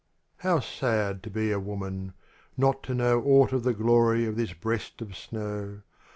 OW sad to be a woman, — not to know Aught of the glory of this breast of snow.